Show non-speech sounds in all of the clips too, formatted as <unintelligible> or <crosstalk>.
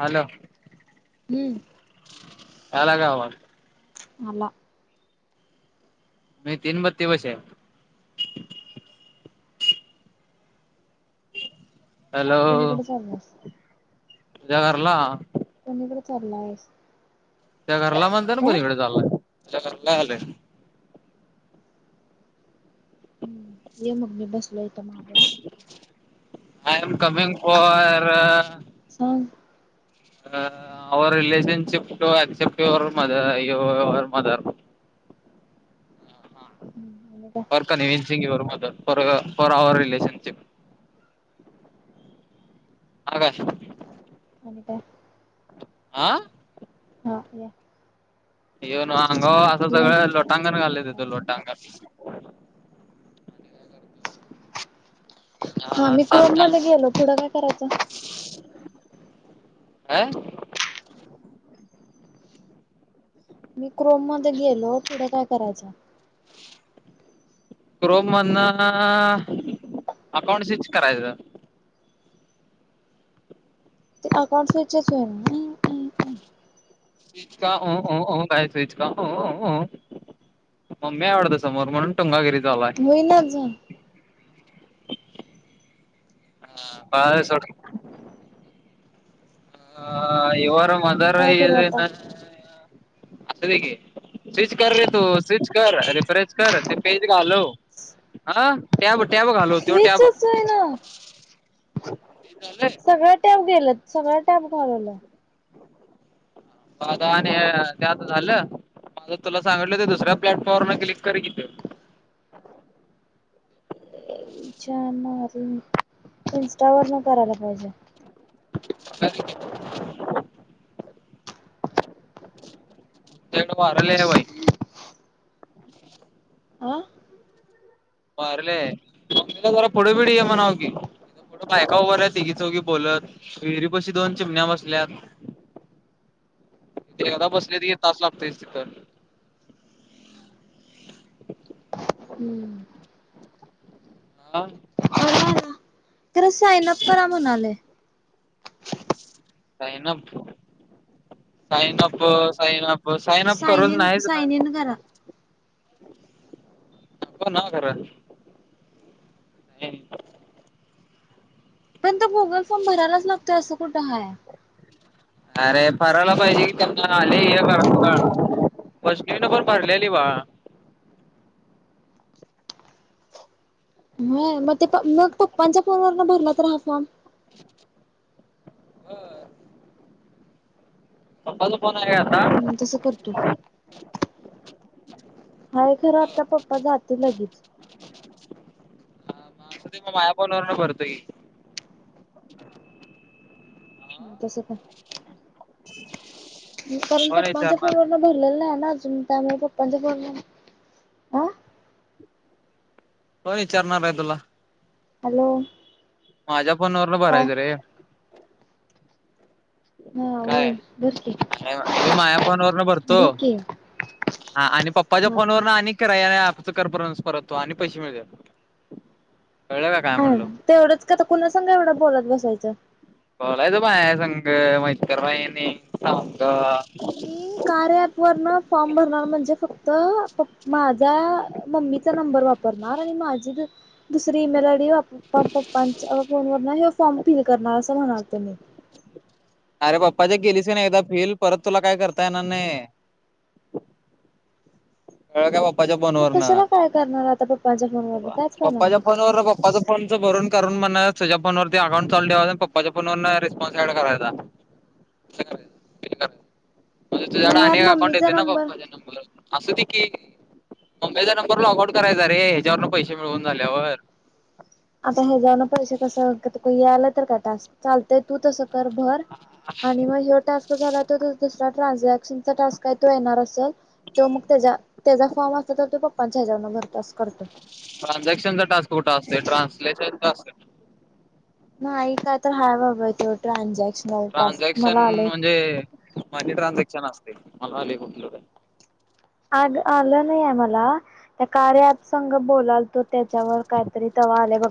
Hello हम्म अला का आवाल आला नाही तिन म त दिवसे आहे कोणीकडे चाललायस हॅलोजागरला. <unintelligible> त्यांनीकडे चालला आहेस. त्या घरला म्हणता ना कोणी इकडे झालाय त्या घरला आले हम्म ये मग मी बसलो यट माग. आ एम कमीिंग प. हं. र रिलेशनशिप अक्सेप्ट यर मदर य यर मदर. हम् का. पर निवीन सिंग व मद फ फरऑवर रिलेेशनशिप. आकाश. आणि काय. आ. हा या येऊन अगा असं या सगळं लोटांगण घालले पप्पा तथो आहेत. लोटांगण. हा मी क्रोम मध्ये गेलो पुढं काय करायचं. <inaudible> आं. मी क्रोम मध्ये गेलो थढं काय करायचं. <unintelligible> क्रोम म्हना अकाउंट स्विच करायचं. ते अकाउंट्विच होई ना. स्विच का हो हो काय स्च का हो हो. म्मी आवडत समोर म्हणून टुंगागिरी लाय. होईनाच <unintelligible> ह इवार मग मदर काय करू आता न सिक. स्विच कर रे तू स्विच कर रिफ्रेश कर ते पेज घालव. हा टॅब-टॅब घालवते टॅब झा. स्विचच होई ना सगळ टाप गेलं सगळ टाप घालवलं. मझ आणि त्या आता झालं माझ तुला सांगितलं ते दुसऱ्या प्लॅटफॉर्म न क्लिक करी किथ. छ इं्स्टावर न करायला पाहिजे. अ. तेण वारलेले भाई. आह. बरलेला जरा पुडबडी ये मवकी. ए बायका उर तिघी चौघी बोलत विहिरी बशी दोन चिमण्या बसल्यात. खादा बसलेेत तास लागत तिथ. हम्म. <inaudible> आा. खर साईन अप करा म्हणाले. साैनप साईनप साैनप. हो साईन अप साइन करच इन नाहीच ना. साइन इन करा ब ना खरा. नाही. पण गुगल फोर्म भरायलाच लागतोय असं कुठं आहे. अरे परवाला पहिज कले कत काढ. फस् नबर भरलेलीि वा. हो मग ते मग पप्पांच्या फोन वन भरला तर राहा फॉर्म. <inaudible> पप्पचा फोन आहे का तसं करतो आता. हाय खरं आता पप्पा जातील लगेच. असं ते मग माया पनवरण भरत की. हा तस का कोण करणपट मा विचारणार फोन जम टय प <unintelligible> कोण विचारणार आहे तुला. हॅलो. माझ्या फोनवरला काय भरायचं रे. हा काय होय भर की अरे हे माया पोन वर न भरतो. भर की हा आणि पप्पाच्या हा फोनवर ना आणि. करा या नाही आपच करपर्य परतो आणि पैसे मिळते कळले का काय हा म्हणलो. तेवढंच काताुणा सांगा एवढं बोलत बसायचं. बोलायच बाय संघ महितकर बाहिनी सांग. कार्य अँप वर न फॉर्म भरणार म्हणजे फक्त. माझा मम्मीचा नंबर वापरणार आणि माझी दुसरी ईमेल आय डी वापर. प्पा पप्पां फोनवर ना हे फॉर्म फिल करणार असं म्हणाल तो मी. अरे पप्पाच्या गेलीस नाही एकदा फिल परत तुला काय करता येणार नाही. काय पप्पाच्या मग फोनवर ना कशाला काय करणार आता पप्पांच्या फोनवरन कायच करणार पप्पाच्या नाही. फोन वरन. पप्पाच फोनच भरून करून म तु्या फोनवरती अकाउंट चालू पप्पाच्या फोनवर रिस्पॉन् ऍड करायचा. च <unintelligible> म्हणजे मग तुझ्याडा ह्यात अनेक अकाउंट मम्मीचा येते ना नंबर पप्पा जच्या नंबर अस कि मुंबईचा नंबर लॉग आउट करायचा रे ह्याच्यावरून पैसे मिळवून झाल्यावर आता हे जाऊन पैसे कस आलं तर का टास चालतंय तू तसं. भर आणि मग हयो टास्क. झा तर दुसरा ट्रान्झॅक्शनचा टास्कय तो येणार असेल. तो मग त्याच्या त्याचा फॉर्म असत तर तो पप्पांच्या ह्याच्याबून भरपच करतो. ट्रान्झॅक्शनचा टास्क कुठं असतय ट्रान्सलेशनचा असतोय. नाही काय तर हाय बाबा तेव ट्रानझॅक्शनल टास्क मला आलय. ते. मनी ट्रान्झॅक्शन असते मला आले कुठल काय. आग आलं नाही आहे मला त्या कार्य अँप संघ बोलालतो. तो त्याच्यावर काहीतरी तवा आले बघ.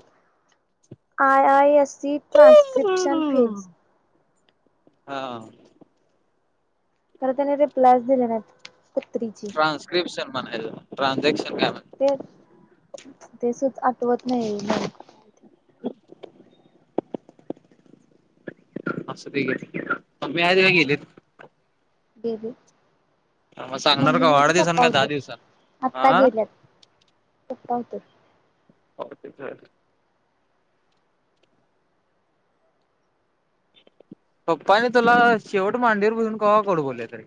I I S C transcription phase. हा. खर त्याने रिप्लाय च दिले नाहीत कुत्रीचे. ट्रानस्क्रिपशन म्हणायल ट्रांजेक्शन काय म्हणता. ते ते सुच आठवत नाही. अस <unintelligible> बेबी! मग सांगणार मम्मी का नव्हती आठ दिवसान पप्पा का दहा दिवसान होतात आत्ता हा गेल्यात पप्पा होत. <unintelligible> पप्पांन तुला शेवट मांडीवर बसून कवा गोड बोललेत रे.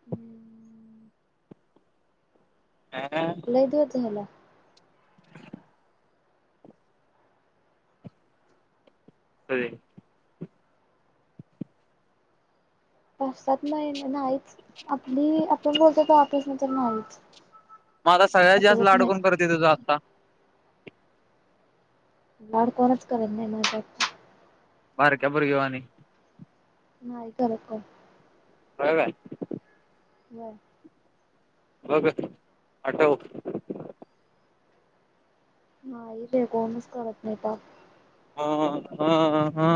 हम्म. हा. लय दिवस झाला. अरे! पाच सात महिने नाहीच आपली आपण बोलतो त वापस न तर नाहीच. मग आता सगळ्यात जास्त आठवत लाड नाही. कोण करते तुझा आता? लाड कोणच करेत नाही माझ्य बारक्या पोरगी वाणी. नाही करत कोणी. बरोबर आहे. बर. बघ आठव नाही रे कोणीच करत नाय ता हा हा हा.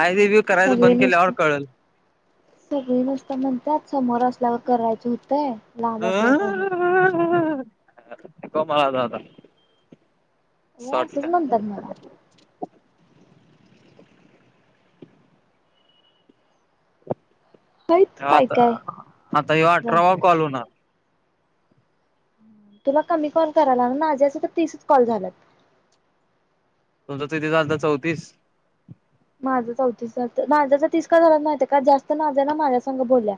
आय वि वि करायचा बंद केल्यावर कळल. सगळी नसतं म्हणतात समोर असल्यावर करायचं होतय लांब असला काय होत आता काय करणार? <unintelligible> असं वय असंच वाटतं म्हणतात मला. आहेत काय आता काय आता इवा जण अठरावा कॉल होणार. तुला कमी कॉल करायल ना माझ्या असच तर कॉल झाल्यात. तुमचं किती झालं तर चौतीस? माझं चौतीस झालतं माझं तर तीस का झालं माहितीय काय जास्त नाज्या ना माझ्या संग बोलल्या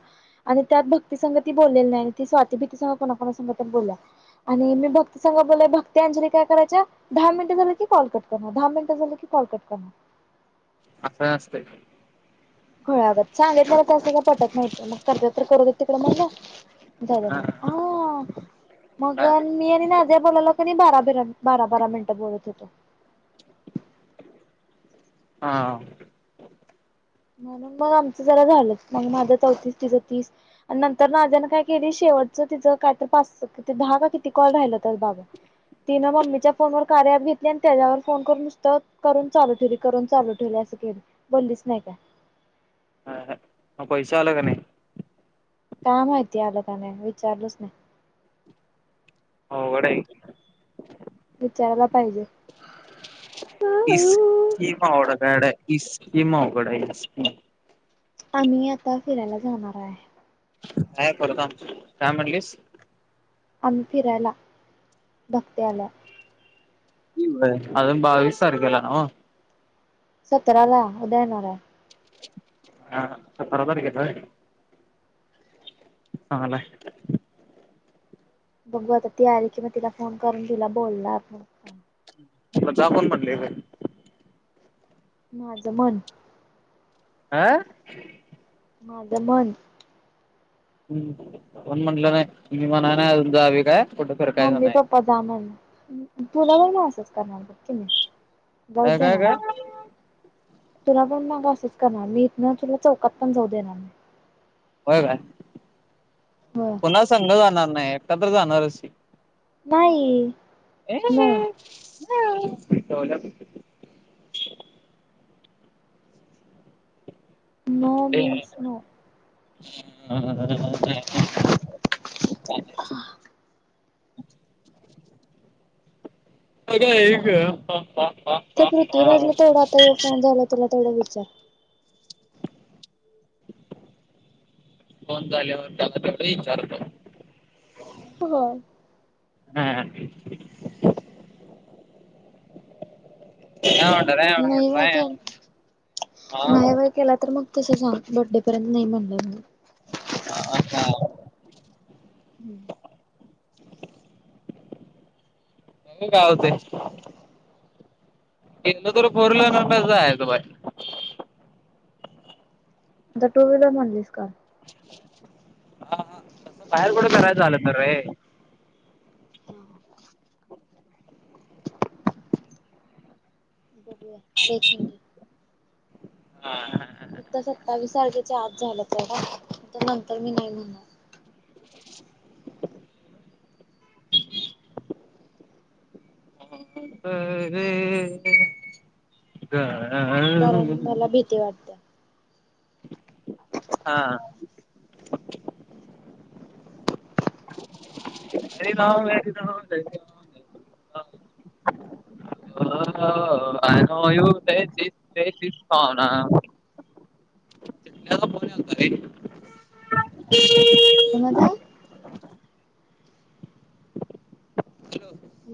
आणि त्यात भक्ती संंग ती बोललेली नाही ती स्वाती भीती संग कोणाकोणा संग बोलल्या आणि मी भक्ती संग बोललाय भक्ती, अंजली काय करायच्या दहा मिनिटं झालं की कॉल कट करणार, दहा मिनिटं झालं की कॉल कट करणार. असं नसतंय. खुळ्यागत सांगेल परत तसं काय पटत नाहीत मग करत्यात तर करू देत तिकडं म्हणल जाऊ दे हा मग आ मग काय अन मी आणि नाज्या बोला लो की नी बारा बीरा बारा बारा मिनिटं बोलत होतो. हां. म्हणून मग आमचं जरा झालंच मग माझं चौतीस तिचं तीस नंतर नाज्याने काय केली शेवटचं तिचं काय तर पाच दहा का किती कॉल राहिला तर बाबा तिनं मम्मीच्या फोनवर कार्य ॲप घेतली आणि त्याच्यावर फोन करून नुसतं करून चालू ठेवली. करून चालू ठेवले असं केले बोललीच नाही काय. हा हा म पैशा आला का नाय? काय माहितीय आलं का नाय विचारलच नाय. अवघड आहे. विचारायला पाहिजे. की स्कीम अवघड आहे, इस्कीम अवघड आहे, इस्कीम आम्ही आता फिरायला जाणार आहे. काय करता काय म्हणलीस? आम्ही फिरायला भक्त्या आल्या. अजून बावीस तारखेला ना हो? सतरा ला उद्या येणार आहे. हा सतरा तारखेचा आहे? चांगला आहे. बघू आता ती आली कि म तिला फोन करून तिला बोलणार. म जा कोण म्हटले काय? माझं मन हां माझं मन हम्म, कोणी म्हटलं नाय मी मनाने नाय जावी काय? कुठं फिरकायचं मम्मी नाही पप्पा जा म्हण तुला नाय ना असच करणार बघ की मी जाऊ काय द्या काय ना. काय तुला पण मागा असंच करणार मी इथनं तुला चौकात पण जाऊ देणार नाही. होय काय नाही होय पुन्हा संग जाणार नाही एकटा तर जाणारचशी. नाही. No <unintelligible> no means no. <unintelligible> ह एकग पा ते पृथ्वीराजला तेथोढं आता येऊ फोन झाला तुला तेवडं विचार फोन झाल्यावर त्या त्या विचारतो हो हो हा हट रट नाही वय के हा नाही केला तर मग तसंच बड्डे पर्यंत नाही म्हणलं हा का हम्म काय होते इ तरी परलाणार म आता टू व्हीलर म्हणलीस का हा हा तसं बाहेर कडून करायचं झालं तर रे हां बघूया देखेगे हा हा ह आता सत्तावीस तारखेच आज झालंच आहे का नंतर मी नाही म्हणार रे ग कारण मला भीती वाटत ह हा वस हो <inaudible> अू तेस तेस पावना फत रे कोनचा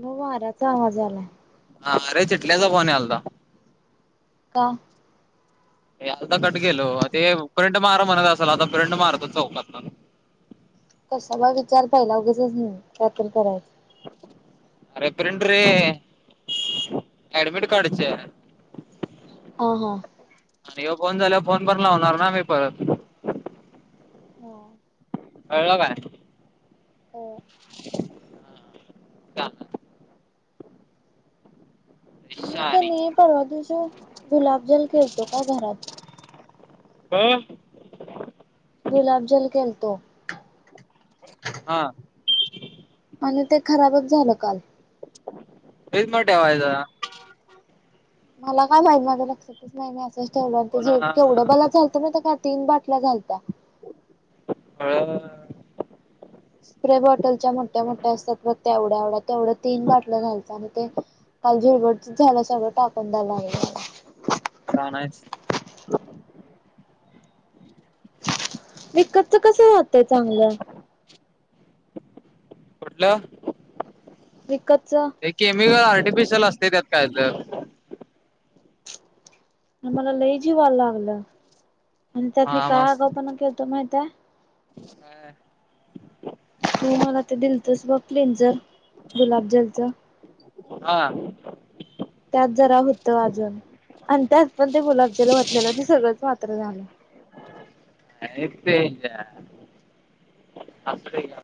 मग वाऱ्याचा आवाज आलाय हा अरे चटल्याचा बणे आलता का आता कट गेलो ते प्रिंट मार म्हणत असाल आता प्रिंट मारतो चौकातला कसा बा विचार प्हायला अगेचच नाही त्यातून करायच अरेपड रे अॅडमिट कार्डचे ह हा आणि फोन झाला फोन पण लावणार ना मी परत हो एळ काय हो काय मी का शहाणी नाही परवा दिवस गुलाबजल खेळतो का घरात हम गुलाबजल केलतो हा आणि ते खराबच झालं काल एच मोवाय मला काय माहि माझ लक्षातच नाही मी असंच ठेवलं पुन्हा केवढं बला चालत का तीन बाटल्या घलत हा स्प्रे बॉटलच्या मोठ्या मोठ्या असतात मग ते एवढ्या एवढ्या तेवढ्या तीन बाटल घालतं आणि ते काल झुरबड झाला सगळं टाकून झालं. काय नाही च. विकतच कसं राहतय चांगलं. पुटलं. विकतच. ते केमिकल आर्टिफिशियल असते त्यात काय तर. मला लय जीवायला लागलंय आणि त्यात मी हा काय आगाव मस्त पण केलतो माहित आहे. <unintelligible> तू मला ते दिलतस बघ क्लिंजर गुलाबजलच. हा. त्यात जरा होतं अजून आणि त्यात पण ते गुलाबजील वतलेलो ते सगळंच मात्र झालं. <unintelligible>